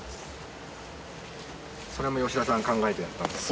それも吉田さんが考えてやったんですか？